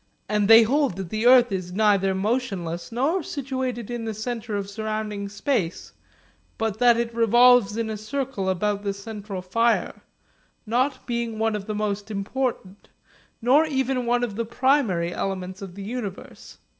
And they hold that the earth is neither motionless nor situated in the centre of sur rounding space, but that it revolves in a circle about the central fire, not being one of the most important, nor even one of the primary elements of the universe.